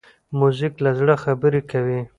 موزیک له زړه خبرې کوي.